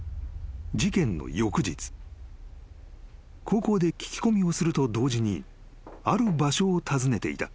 ［高校で聞き込みをすると同時にある場所を訪ねていた］